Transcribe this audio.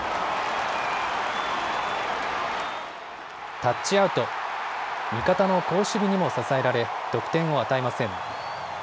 タッチアウト、味方の好守備にも支えられ、得点を与えません。